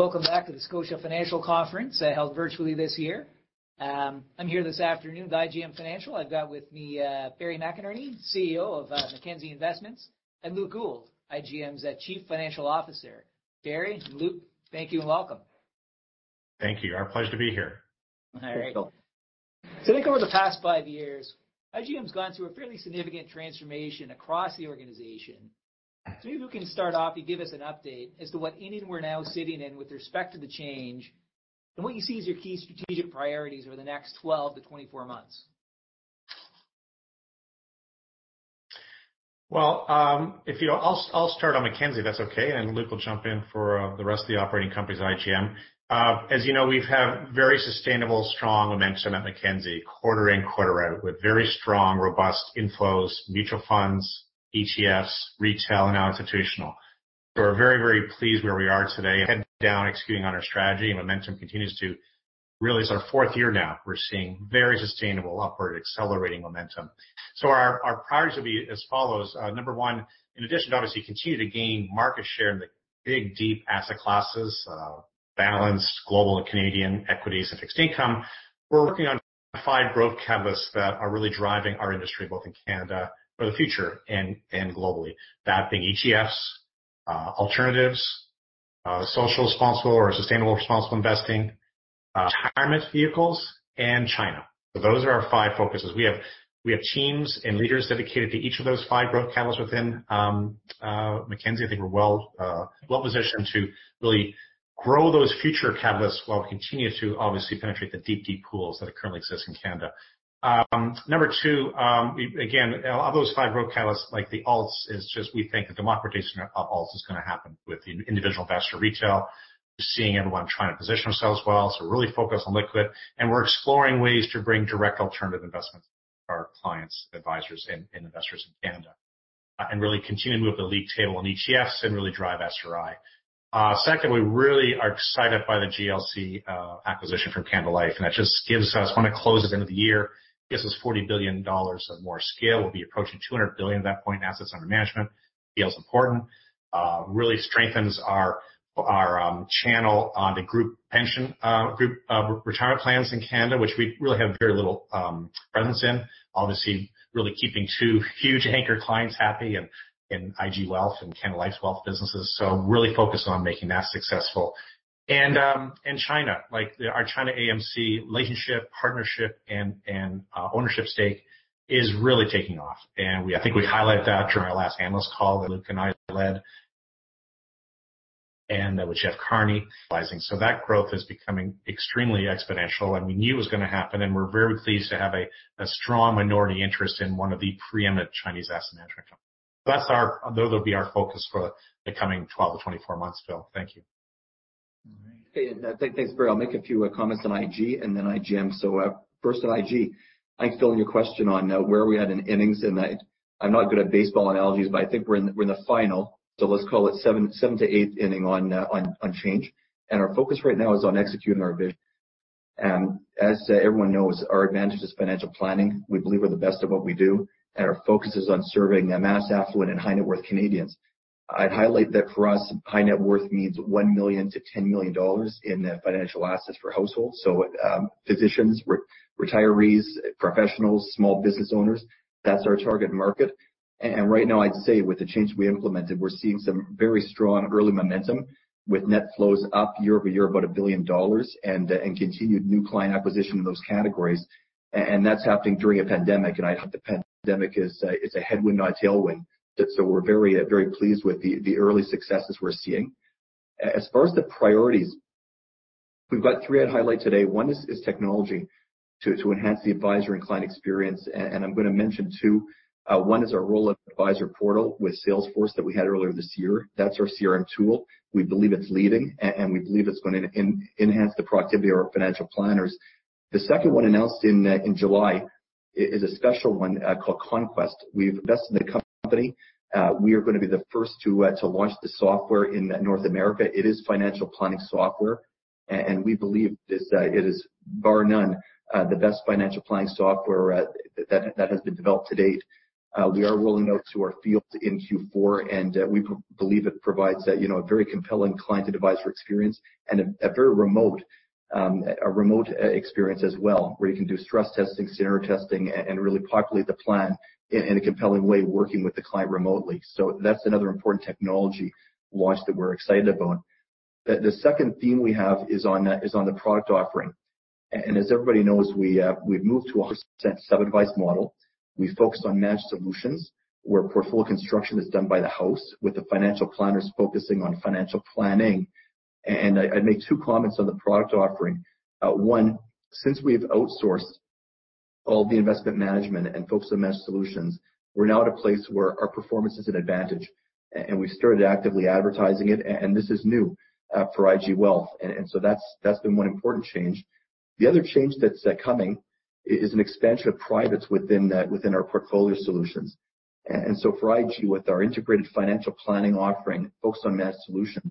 Welcome back to the Scotia Financial Conference, held virtually this year. I'm here this afternoon with IGM Financial. I've got with me, Barry McInerney, CEO of Mackenzie Investments, and Luke Gould, IGM's Chief Financial Officer. Barry, Luke, thank you, and welcome. Thank you. Our pleasure to be here. All right. Thank you. I think over the past five years, IGM's gone through a fairly significant transformation across the organization. Maybe Luke can start off and give us an update as to what inning we're now sitting in with respect to the change and what you see as your key strategic priorities over the next 12-24 months. Well, I'll start on Mackenzie, if that's okay, and Luke will jump in for the rest of the operating companies at IGM. As you know, we have very sustainable, strong momentum at Mackenzie, quarter in, quarter out, with very strong, robust inflows, mutual funds, ETFs, retail, and now institutional. We're very, very pleased where we are today, heading down, executing on our strategy, and momentum continues to really... It's our fourth year now, we're seeing very sustainable upward accelerating momentum. So our priorities will be as follows. Number one, in addition to obviously continue to gain market share in the big, deep asset classes, balanced global and Canadian equities and fixed income, we're working on five growth catalysts that are really driving our industry, both in Canada for the future and globally. That being ETFs, alternatives, socially responsible or sustainable responsible investing, retirement vehicles, and China. So those are our five focuses. We have, we have teams and leaders dedicated to each of those five growth catalysts within Mackenzie. I think we're well, well-positioned to really grow those future catalysts while we continue to obviously penetrate the deep, deep pools that currently exist in Canada. Number two, we again, of those five growth catalysts, like the alts, is just we think the democratization of alts is going to happen with the individual investor retail. Just seeing everyone trying to position ourselves well, so we're really focused on liquid, and we're exploring ways to bring direct alternative investments to our clients, advisors, and, and investors in Canada. And really continuing to move the league table on ETFs and really drive SRI. Secondly, we really are excited by the GLC acquisition from Canada Life, and that just gives us, when it closes end of the year, 40 billion dollars of more scale. We'll be approaching 200 billion at that point in assets under management. GLC is important. Really strengthens our channel on the group pension, group retirement plans in Canada, which we really have very little presence in. Obviously, really keeping two huge anchor clients happy, and IG Wealth and Canada Life's wealth businesses. So really focused on making that successful. And China. Like, our ChinaAMC relationship, partnership, and ownership stake is really taking off. And I think we highlighted that during our last analyst call that Luke and I led, and with Jeff Carney advising. So that growth is becoming extremely exponential, and we knew it was going to happen, and we're very pleased to have a strong minority interest in one of the preeminent Chinese asset management companies. So that's our... Those will be our focus for the coming 12-24 months, Phil. Thank you. All right. Hey, thanks, Barry. I'll make a few comments on IG and then IGM. So, first on IG, thanks, Phil, on your question on where we at in innings, and I'm not good at baseball analogies, but I think we're in the final, so let's call it seventh to eighth inning on change. Our focus right now is on executing our vision. As everyone knows, our advantage is financial planning. We believe we're the best at what we do, and our focus is on serving a mass affluent and high net worth Canadians. I'd highlight that for us, high net worth means 1 million-10 million dollars in financial assets for households. So, physicians, retirees, professionals, small business owners, that's our target market. And right now, I'd say with the changes we implemented, we're seeing some very strong early momentum with net flows up year-over-year, about 1 billion dollars, and continued new client acquisition in those categories. And that's happening during a pandemic, and I think the pandemic is a headwind, not a tailwind. So we're very pleased with the early successes we're seeing. As far as the priorities, we've got three I'd highlight today. One is technology to enhance the advisor and client experience. And I'm going to mention two. One is our rollout of advisor portal with Salesforce that we had earlier this year. That's our CRM tool. We believe it's leading, and we believe it's going to enhance the productivity of our financial planners. The second one, announced in July, is a special one called Conquest. We've invested in the company. We are going to be the first to launch the software in North America. It is financial planning software, and we believe this, it is bar none, the best financial planning software that has been developed to date. We are rolling out to our field in Q4, and we believe it provides a, you know, a very compelling client to advisor experience and a very remote, a remote experience as well, where you can do stress testing, scenario testing, and really populate the plan in a compelling way, working with the client remotely. So that's another important technology launch that we're excited about. The second theme we have is on the product offering. And as everybody knows, we've moved to a 100% sub-advice model. We focus on managed solutions, where portfolio construction is done by the house, with the financial planners focusing on financial planning. And I, I'd make two comments on the product offering. One, since we've outsourced all the investment management and focused on managed solutions, we're now at a place where our performance is an advantage, and we've started actively advertising it, and this is new, for IG Wealth. And so that's been one important change. The other change that's coming is an expansion of privates within our portfolio solutions. And so for IG, with our integrated financial planning offering focused on managed solutions.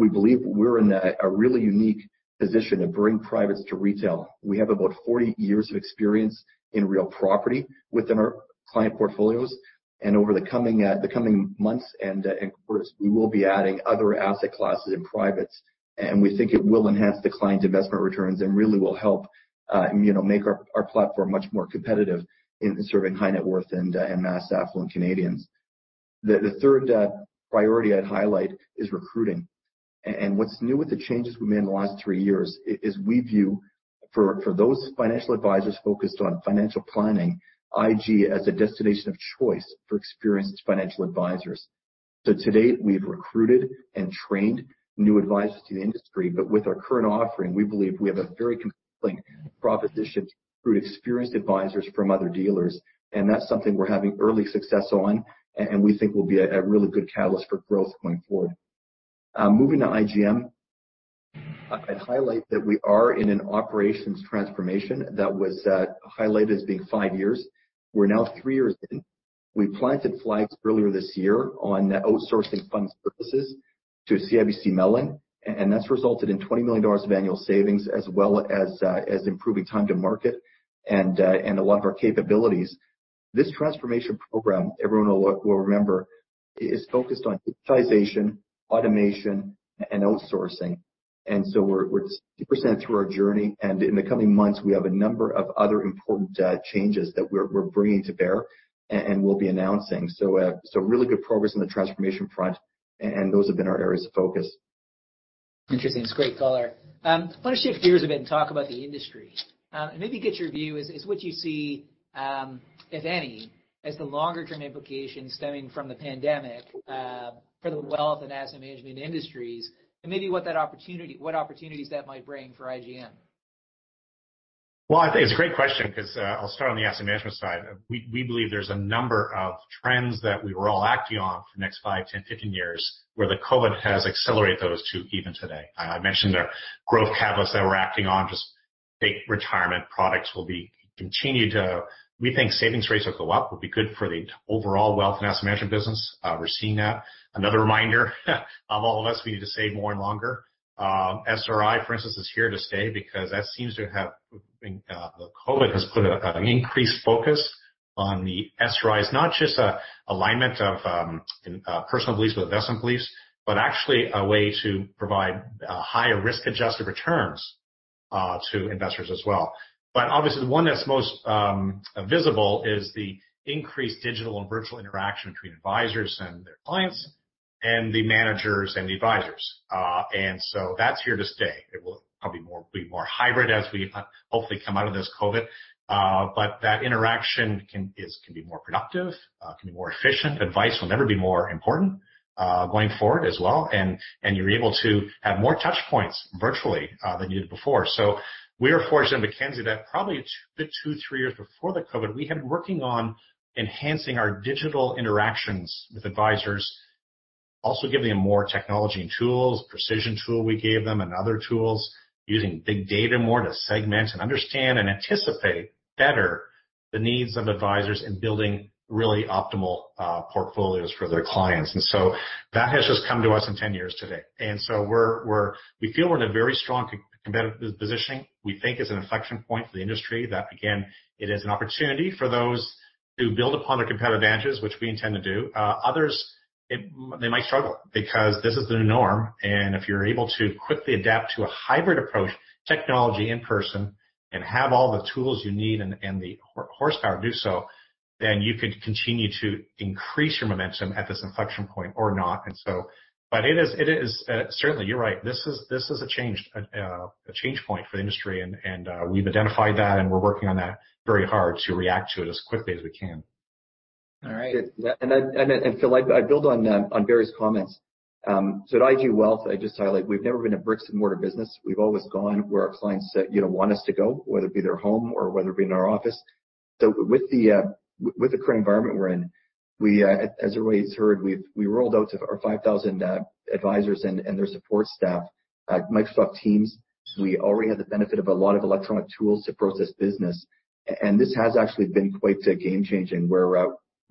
We believe we're in a really unique position to bring privates to retail. We have about 40 years of experience in real property within our client portfolios, and over the coming months and quarters, we will be adding other asset classes in privates, and we think it will enhance the client's investment returns and really will help, you know, make our platform much more competitive in serving high net worth and mass affluent Canadians. The third priority I'd highlight is recruiting. And what's new with the changes we made in the last three years is we view, for those financial advisors focused on financial planning, IG as a destination of choice for experienced financial advisors. So to date, we've recruited and trained new advisors to the industry, but with our current offering, we believe we have a very compelling proposition to recruit experienced advisors from other dealers, and that's something we're having early success on, and we think will be a really good catalyst for growth going forward. Moving to IGM, I'd highlight that we are in an operations transformation that was highlighted as being five years. We're now three years in. We planted flags earlier this year on outsourcing funds services to CIBC Mellon, and that's resulted in 20 million dollars of annual savings, as well as improving time to market and a lot of our capabilities. This transformation program, everyone will remember, is focused on digitization, automation, and outsourcing. And so we're 60% through our journey, and in the coming months, we have a number of other important changes that we're bringing to bear and will be announcing. So, so really good progress on the transformation front, and those have been our areas of focus. Interesting. It's great color. I want to shift gears a bit and talk about the industry. And maybe get your view, is what you see, if any, as the longer term implications stemming from the pandemic for the wealth and asset management industries, and maybe what that opportunity—what opportunities that might bring for IGM? Well, I think it's a great question because, I'll start on the asset management side. We believe there's a number of trends that we were all acting on for the next 5, 10, 15 years, where the COVID has accelerated those to even today. I mentioned our growth catalysts that we're acting on, just big retirement products will be continued to... We think savings rates will go up, will be good for the overall wealth and asset management business. We're seeing that. Another reminder, of all of us, we need to save more and longer. SRI, for instance, is here to stay because that seems to have, the COVID has put an increased focus on the SRIs. Not just an alignment of, personal beliefs with investment beliefs, but actually a way to provide, higher risk-adjusted returns, to investors as well. But obviously, the one that's most visible is the increased digital and virtual interaction between advisors and their clients and the managers and the advisors. And so that's here to stay. It will probably be more hybrid as we hopefully come out of this COVID, but that interaction can be more productive, can be more efficient. Advice will never be more important going forward as well, and you're able to have more touch points virtually than you did before. So we are fortunate at Mackenzie that probably two, two, three years before the COVID, we had been working on enhancing our digital interactions with advisors, also giving them more technology and tools, precision tool we gave them, and other tools, using big data more to segment and understand and anticipate better the needs of advisors in building really optimal portfolios for their clients. And so that has just come to us in 10 years today. And so we're. We feel we're in a very strong competitive positioning. We think it's an inflection point for the industry, that again, it is an opportunity for those to build upon their competitive advantages, which we intend to do. Others, they might struggle because this is the new norm, and if you're able to quickly adapt to a hybrid approach, technology in person, and have all the tools you need and the horsepower to do so, then you could continue to increase your momentum at this inflection point or not. And so, but it is, it is certainly, you're right, this is, this is a change, a change point for the industry, and we've identified that, and we're working on that very hard to react to it as quickly as we can. All right. And Phil, I'd build on Barry's comments. So at IG Wealth, I just highlight we've never been a bricks-and-mortar business. We've always gone where our clients, you know, want us to go, whether it be their home or whether it be in our office. So with the current environment we're in, as everybody's heard, we've rolled out to our 5,000 advisors and their support staff, Microsoft Teams. So we already had the benefit of a lot of electronic tools to process business, and this has actually been quite game changing, where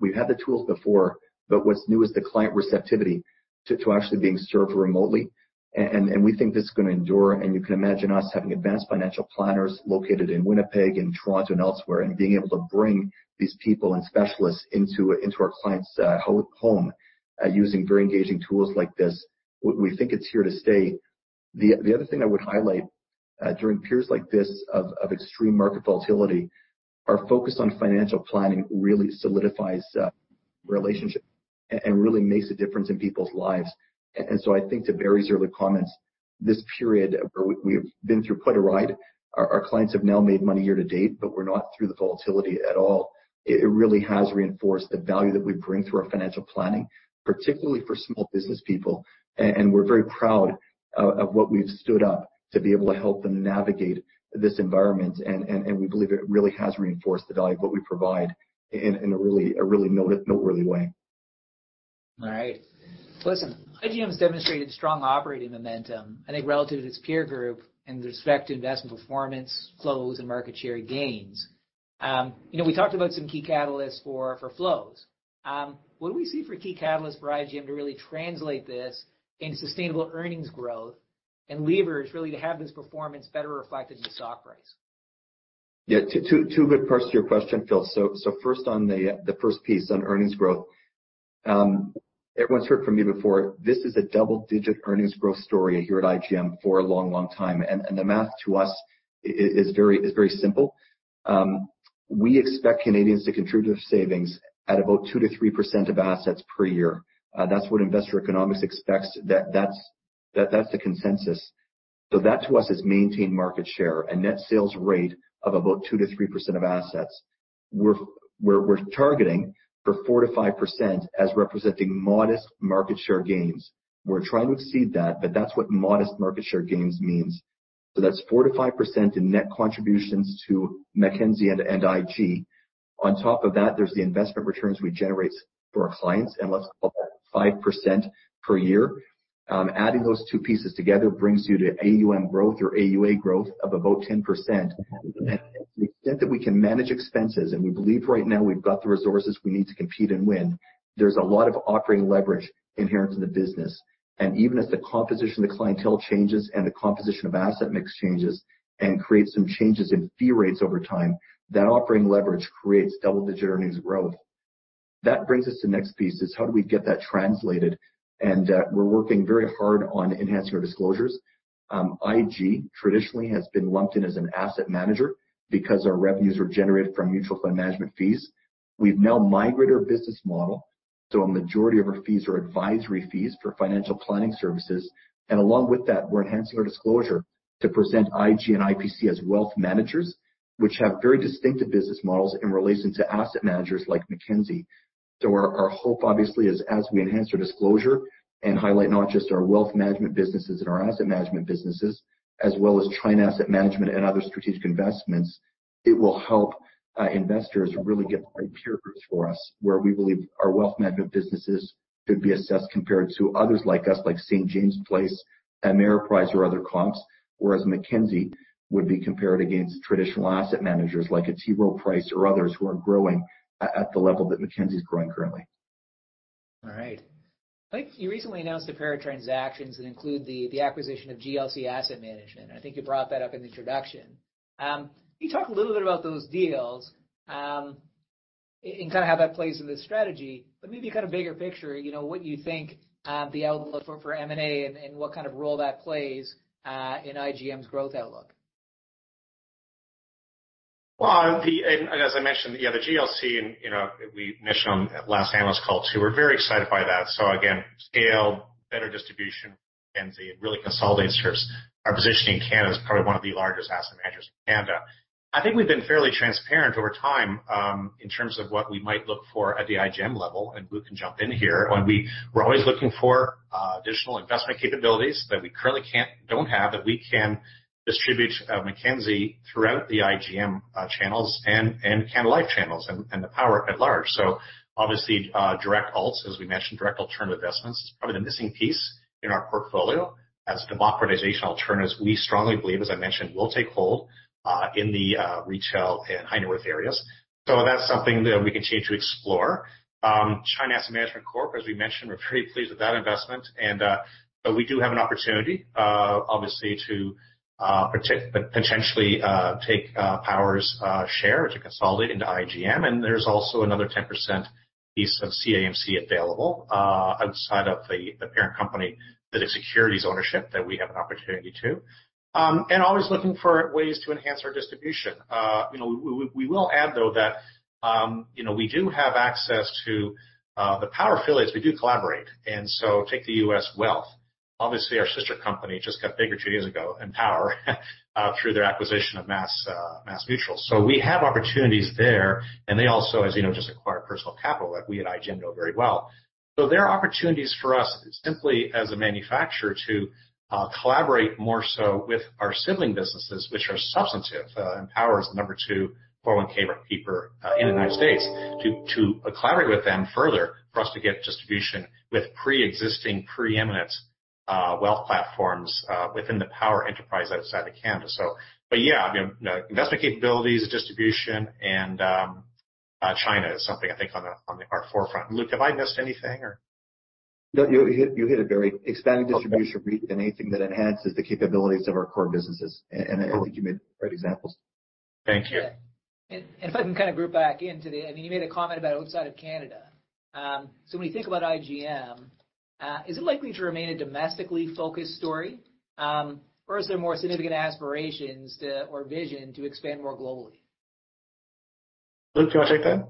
we've had the tools before, but what's new is the client receptivity to actually being served remotely. And we think this is going to endure, and you can imagine us having advanced financial planners located in Winnipeg and Toronto and elsewhere, and being able to bring these people and specialists into our clients' home using very engaging tools like this. We think it's here to stay. The other thing I would highlight during periods like this of extreme market volatility, our focus on financial planning really solidifies relationship and really makes a difference in people's lives. And so I think to Barry's early comments, this period where we have been through quite a ride, our clients have now made money year to date, but we're not through the volatility at all. It really has reinforced the value that we bring through our financial planning, particularly for small business people. And we're very proud of what we've stood up to be able to help them navigate this environment, and we believe it really has reinforced the value of what we provide in a really noteworthy way. All right. Listen, IGM has demonstrated strong operating momentum, I think, relative to its peer group in respect to investment performance, flows, and market share gains... You know, we talked about some key catalysts for flows. What do we see for key catalysts for IGM to really translate this into sustainable earnings growth and leverage, really, to have this performance better reflected in the stock price? Yeah, two good parts to your question, Phil. So, first on the first piece on earnings growth. Everyone's heard from me before, this is a double-digit earnings growth story here at IGM for a long, long time, and the math to us is very simple. We expect Canadians to contribute to savings at about 2%-3% of assets per year. That's what Investor Economics expects, that's the consensus. So that, to us, is maintained market share, a net sales rate of about 2%-3% of assets. We're targeting for 4%-5% as representing modest market share gains. We're trying to exceed that, but that's what modest market share gains means. So that's 4%-5% in net contributions to Mackenzie and IG. On top of that, there's the investment returns we generate for our clients, and let's call that 5% per year. Adding those two pieces together brings you to AUM growth or AUA growth of about 10%. To the extent that we can manage expenses, and we believe right now we've got the resources we need to compete and win, there's a lot of operating leverage inherent in the business. Even as the composition of the clientele changes and the composition of asset mix changes and creates some changes in fee rates over time, that operating leverage creates double-digit earnings growth. That brings us to the next piece, is how do we get that translated? We're working very hard on enhancing our disclosures. IG traditionally has been lumped in as an asset manager because our revenues are generated from mutual fund management fees. We've now migrated our business model, so a majority of our fees are advisory fees for financial planning services. Along with that, we're enhancing our disclosure to present IG and IPC as wealth managers, which have very distinctive business models in relation to asset managers like Mackenzie. So our hope, obviously, is as we enhance our disclosure and highlight not just our wealth management businesses and our asset management businesses, as well as China Asset Management and other strategic investments, it will help investors really get the right peer groups for us, where we believe our wealth management businesses could be assessed compared to others like us, like St. James's Place, Ameriprise, or other firms. Whereas Mackenzie would be compared against traditional asset managers like a T. Rowe Price or others who are growing at the level that Mackenzie is growing currently. All right. I think you recently announced a pair of transactions that include the acquisition of GLC Asset Management. I think you brought that up in the introduction. Can you talk a little bit about those deals, and kind of how that plays into the strategy, but maybe kind of bigger picture, you know, what you think, the outlook for M&A and what kind of role that plays in IGM's growth outlook? Well, as I mentioned, yeah, the GLC and, you know, we mentioned on last analyst call, too, we're very excited by that. So again, scale, better distribution, Mackenzie, it really consolidates our positioning in Canada as probably one of the largest asset managers in Canada. I think we've been fairly transparent over time in terms of what we might look for at the IGM level, and Luke can jump in here. We're always looking for additional investment capabilities that we currently don't have, that we can distribute Mackenzie throughout the IGM channels and Canada Life channels and the Power at large. So obviously, direct alts, as we mentioned, direct alternative investments is probably the missing piece in our portfolio. As democratization alternatives, we strongly believe, as I mentioned, will take hold in the retail and high-net-worth areas. So that's something that we continue to explore. China Asset Management, as we mentioned, we're very pleased with that investment and, but we do have an opportunity, obviously to, potentially, take, Power's, share to consolidate into IGM. And there's also another 10% piece of ChinaAMC available, outside of the parent company that is securities ownership, that we have an opportunity to. And always looking for ways to enhance our distribution. You know, we will add, though, that, you know, we do have access to the Power affiliates. We do collaborate. And so, take the U.S. wealth. Obviously, our sister company just got bigger two years ago in Power through their acquisition of MassMutual. So, we have opportunities there, and they also, as you know, just acquired Personal Capital that we at IGM know very well. So there are opportunities for us, simply as a manufacturer, to collaborate more so with our sibling businesses, which are substantive, and Power is the number two 401(k) keeper in the United States. To collaborate with them further for us to get distribution with pre-existing, preeminent wealth platforms within the Power enterprise outside of Canada. So, but yeah, I mean, investment capabilities, distribution, and China is something I think on our forefront. Luke, have I missed anything or? No, you hit it very... Expanding distribution reach and anything that enhances the capabilities of our core businesses. And I think you made great examples. Thank you. If I can kind of group back into the... I mean, you made a comment about outside of Canada. So when you think about IGM, is it likely to remain a domestically focused story, or is there more significant aspirations to, or vision to expand more globally? Luke, do you want to take that?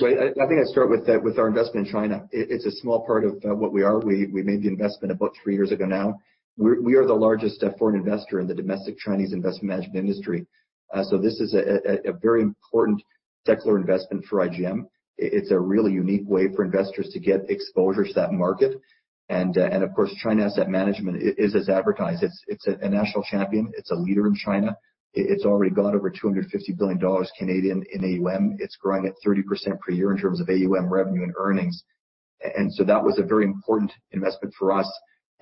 Well, I think I'd start with our investment in China. It's a small part of what we are. We made the investment about 3 years ago now. We are the largest foreign investor in the domestic Chinese investment management industry. So, this is a very important secular investment for IGM. It's a really unique way for investors to get exposure to that market. And of course, China Asset Management is as advertised. It's a national champion. It's a leader in China. It's already got over 250 billion Canadian dollars in AUM. It's growing at 30% per year in terms of AUM, revenue, and earnings. That was a very important investment for us,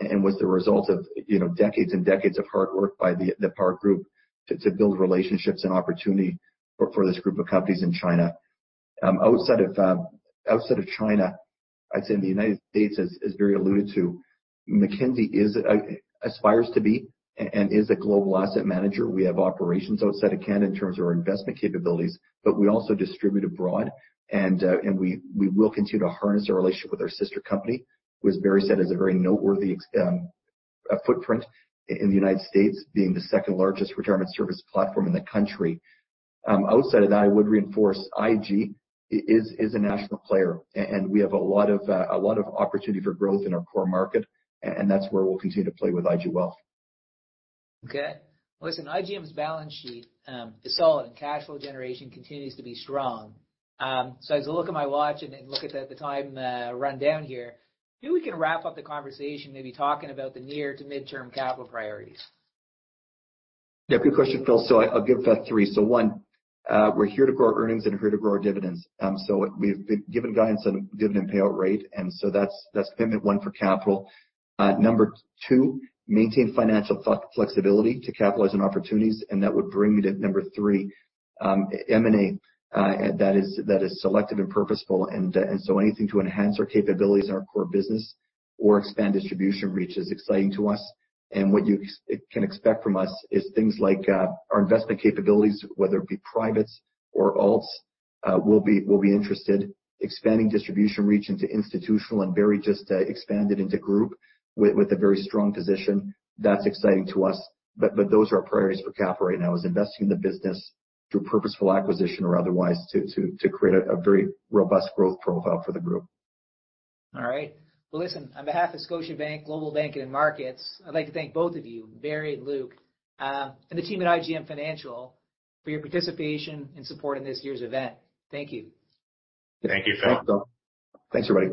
and was the result of, you know, decades and decades of hard work by the Power group to build relationships and opportunity for this group of companies in China. Outside of China, I'd say in the United States, as Barry alluded to, Mackenzie aspires to be and is a global asset manager. We have operations outside of Canada in terms of our investment capabilities, but we also distribute abroad, and we will continue to harness our relationship with our sister company, who, as Barry said, has a very noteworthy footprint in the United States, being the second largest retirement service platform in the country. Outside of that, I would reinforce IG is a national player, and we have a lot of opportunity for growth in our core market, and that's where we'll continue to play with IG Wealth. Okay. Listen, IGM's balance sheet is solid, and cash flow generation continues to be strong. So, as I look at my watch and look at the time rundown here, maybe we can wrap up the conversation, maybe talking about the near to midterm capital priorities. Yeah, good question, Phil. So I, I'll give about three. So one, we're here to grow our earnings and here to grow our dividends. So we've been given guidance on dividend payout rate, and so that's, that's commitment one for capital. Number two, maintain financial flexibility to capitalize on opportunities, and that would bring me to number three, M&A, that is, that is selective and purposeful. And, and so anything to enhance our capabilities in our core business or expand distribution reach is exciting to us. And what you can expect from us is things like, our investment capabilities, whether it be privates or alts, we'll be, we'll be interested. Expanding distribution reach into institutional, and Barry just, expanded into group with, with a very strong position. That's exciting to us, but those are our priorities for capital right now, is investing in the business through purposeful acquisition or otherwise, to create a very robust growth profile for the group. All right. Well, listen, on behalf of Scotiabank Global Banking and Markets, I'd like to thank both of you, Barry and Luke, and the team at IGM Financial, for your participation and support in this year's event. Thank you. Thank you, Phil. Thanks, everybody.